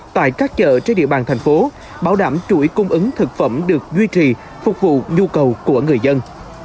tại các chợ trên địa bàn thành phố bảo đảm chuỗi cung ứng thực phẩm được duy trì phục vụ nhu cầu của người dân